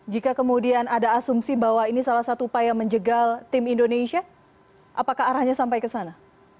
jika kemudian ada asumsi bahwa ini salah satu upaya menjegal tim indonesia apakah arahnya sampai ke sana